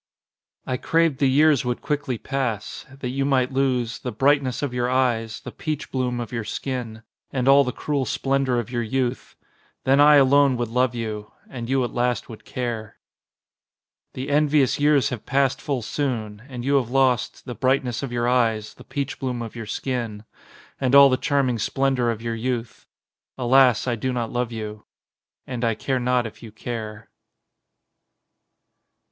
I craved the years would quickly pass That you might lose The brightness of your eyes, the peach bloom of your skin, And all the cruel splendour of your youth. Then I alone would love you And you at last would care. 1 1 owe it to the kindness of my friend Mr. P. W. David son. 157 ON A CHINESE SCREEN The envious years have passed full soon And you have lost The brightness of your eyes, the peach bloom of your shin, And all the charming splendour of your youth. Alas, I do not love you And I care not if you care.